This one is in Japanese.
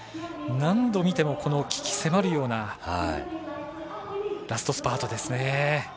何度見てもこの鬼気迫るようなラストスパートですね。